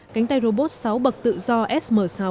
cánh tay robot sáu bậc tự do sm sáu